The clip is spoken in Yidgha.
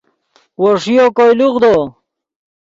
وو ݰیو کوئے لوغدو